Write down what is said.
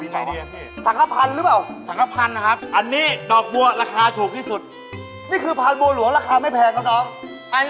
มีไงดีล่ะพี่สังฆาตพันธุ์หรือเปล่า